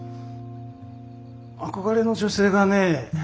憧れの女性がね。